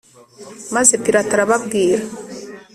Maze Pilato arababwira .